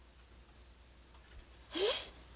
えっ